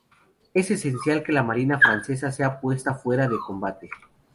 Es esencial que la marina francesa sea puesta fuera de combate.